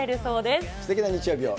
すてきな日曜日を。